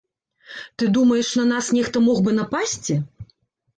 Ты думаеш, на нас нехта мог бы напасці?